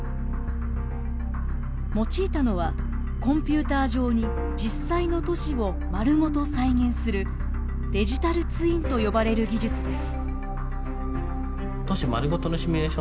用いたのはコンピューター上に実際の都市を丸ごと再現する「デジタルツイン」と呼ばれる技術です。